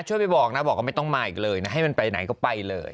ไปบอกนะบอกว่าไม่ต้องมาอีกเลยนะให้มันไปไหนก็ไปเลย